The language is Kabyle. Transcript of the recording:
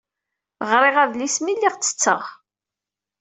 Ɣriɣ adlis mi lliɣ ttetteɣ.